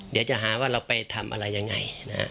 เดี๋ยวจะหาว่าเราไปทำอะไรยังไง